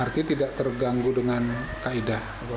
artinya tidak terganggu dengan kaedah